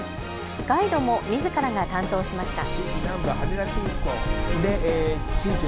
ガイドもみずからが担当しました。